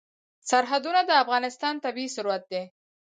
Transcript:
سرحدونه د افغانستان طبعي ثروت دی.